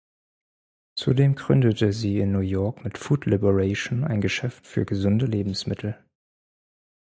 Zudem gründete sie in New York mit "Food Liberation" ein Geschäft für gesunde Lebensmittel.